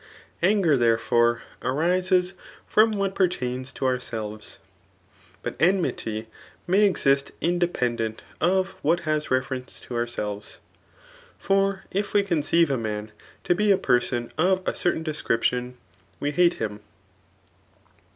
Anger^ therefore, Arises from wfaat> pevtams to csmt* reives; but enmity may exist independent of whatbas^ r efc tcnce to ourselves. . For if we conceive a man to he a person of a certain deacaption, we hate lum.